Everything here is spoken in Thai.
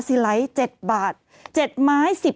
สีไร้๗บาท๗ไม้